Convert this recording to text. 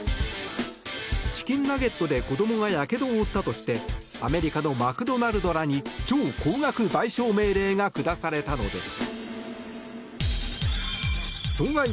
チキンナゲットで子供がやけどを負ったとしてアメリカのマクドナルドらに超高額賠償命令が下されたのです。